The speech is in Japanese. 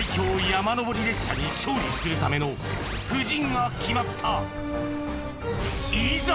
山登り列車に勝利するための布陣が決まったいざ！